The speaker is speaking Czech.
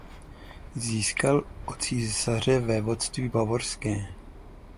Získal od císaře vévodství bavorské.